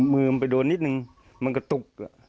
มือมันไปโดนนิดนึงมันกระตุก